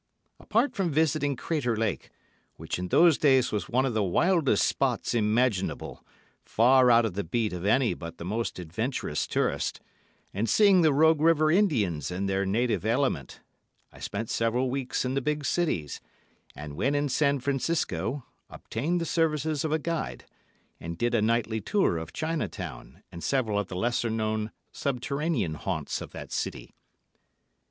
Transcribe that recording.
Apart from visiting Crater Lake, which in those days was one of the wildest spots imaginable, far out of the beat of any but the most adventurous tourist, and seeing the Rogue River Indians in their native element, I spent several weeks in the big cities, and when in San Francisco obtained the services of a guide, and did a nightly tour of China Town, and several of the lesser known subterranean haunts of that city.